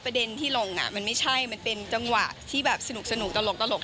ประเด็นที่ลงมันไม่ใช่มันเป็นจังหวะที่แบบสนุกตลก